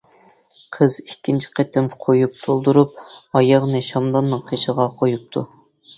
قىز ئىككىنچى قېتىم قۇيۇپ تولدۇرۇپ، ئاياغنى شامداننىڭ قېشىغا قويۇپتۇ.